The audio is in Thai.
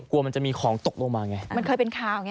กลัวมันจะมีของตกลงมาไงมันเคยเป็นข่าวไง